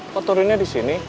kok turunnya di sini